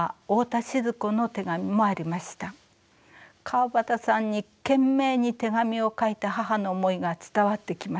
川端さんに懸命に手紙を書いた母の思いが伝わってきました。